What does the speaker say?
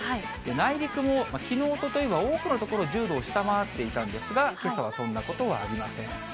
内陸もきのう、おとといは多くの所１０度を下回っていたんですが、けさはそんなことはありません。